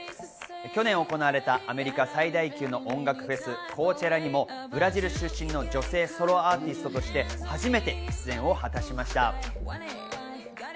そして去年行われたアメリカ最大級の音楽フェス、コーチェラにもブラジル出身の女性ソロアーティストとして初めて出演を果たしました。